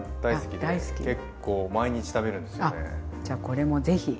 じゃこれも是非。